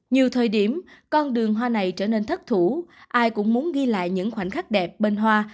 nhiều thời điểm con đường hoa này trở nên thất thủ ai cũng muốn ghi lại những khoảnh khắc đẹp bên hoa